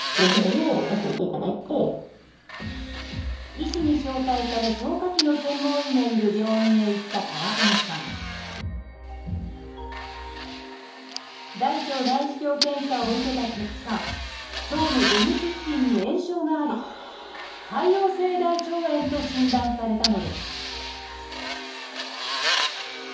医師に紹介され消化器の専門医のいる病院へ行った川上さん大腸内視鏡検査を受けた結果腸の出口付近に炎症があり「潰瘍性大腸炎」と診断されたのです